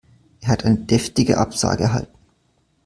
Er hat eine deftige Absage erhalten.